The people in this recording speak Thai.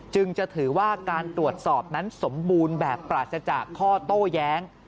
จึงจะถือว่าการตรวจสอบนั้นสมบูรณ์แบบปราศจากข้อโต้แย้ง